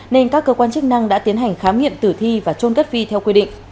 nên các cơ quan chức năng đã tiến hành khám nghiệm tử thi và trôn cất vi theo quy định